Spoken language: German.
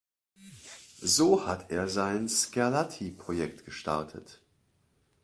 So hat er sein Scarlatti-Projekt gestartet.